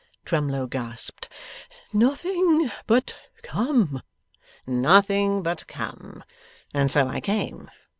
Twemlow gasped 'Nothing but come.' 'Nothing but come. And so I came.